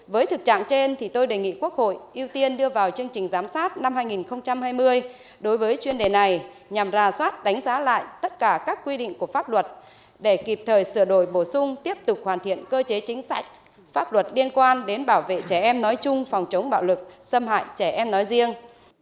với thực trạng trên tôi đề nghị quốc hội ưu tiên đưa vào chương trình giám sát năm hai nghìn hai mươi đối với chuyên đề này nhằm ra soát đánh giá lại tất cả các quy định của pháp luật để kịp thời sửa đổi bổ sung tiếp tục hoàn thiện cơ chế chính sách pháp luật liên quan đến bảo vệ trẻ em nói chung phòng chống bạo lực xâm hại trẻ em nói riêng